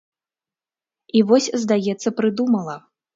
І вось, здаецца, прыдумала.